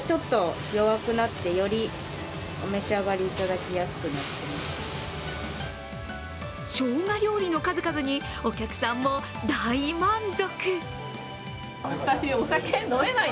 火を通すことでしょうが料理の数々にお客さんも大満足。